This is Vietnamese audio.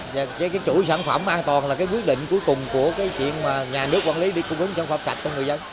và cái chuỗi sản phẩm an toàn là quyết định cuối cùng của nhà nước quản lý đi cung cấp trong pháp sạch của người dân